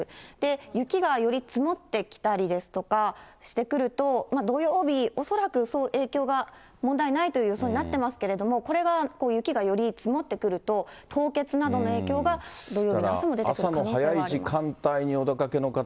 雪がより積もってきたりですとかしてくると、土曜日、恐らく影響が、問題ないという予想になっていますけれども、これが雪がより積もってくると、凍結などの影響が土曜日の朝も出てくるかと。